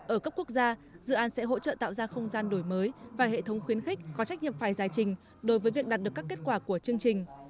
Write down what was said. ở cấp quốc gia dự án sẽ hỗ trợ tạo ra không gian đổi mới và hệ thống khuyến khích có trách nhiệm phải giải trình đối với việc đạt được các kết quả của chương trình